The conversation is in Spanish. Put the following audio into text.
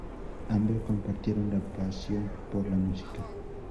Ambos compartieron la pasión por la música.